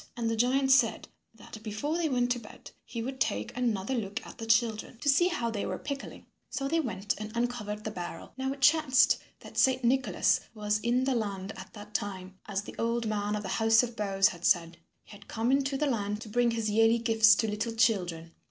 And the giant said that before they went to bed he would take another look at the children to see how they were pickling. So they went and uncovered the barrel. Now it chanced that Saint Nicholas was in the land at that time, as the old man of the House of boughs had said. He had come into the land to bring his yearly gifts to little children.